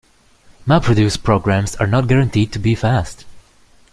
MapReduce programs are not guaranteed to be fast.